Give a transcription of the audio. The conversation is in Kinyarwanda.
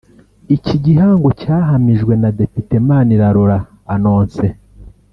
Iki gihango cyahamijwe na Depite Manirarora Annoncée